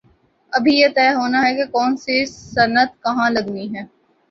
ابھی یہ طے ہو نا ہے کہ کون سی صنعت کہاں لگنی ہے۔